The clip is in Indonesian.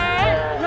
biar saja dong eh